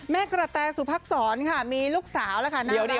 แม่กระแตรสุพักษรค่ะมีลูกสาวแล้วค่ะน่ารักเลยนะฮะ